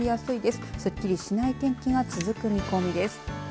すっきりしない天気が続く見込みです。